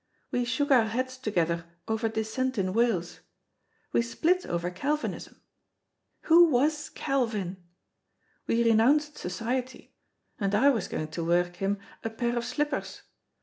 We shook our heads together over dissent in Wales. We split over Calvinism who was Calvin? We renounced society; and I was going to work him a pair of slippers.